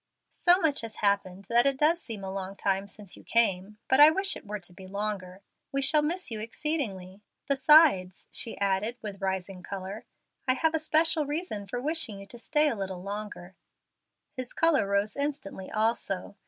"So much has happened that it does seem a long time since you came. But I wish it were to be longer. We shall miss you exceedingly. Besides," she added, with rising color, "I have a special reason for wishing you to stay a little longer." His color rose instantly also.